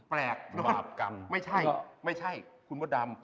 แปลกนะครับไม่ใช่คุณพระอับกรรม